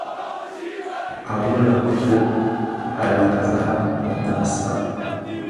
À wela kifog, à lômzàg bàsàg.